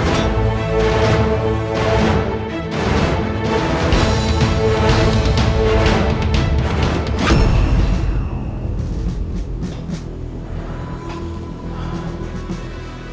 kamu bisa dan fathers